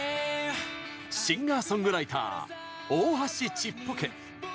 シンガーソングライター大橋ちっぽけ。